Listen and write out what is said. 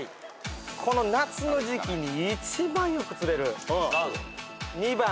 この夏の時季に一番よく釣れる２番のアジ。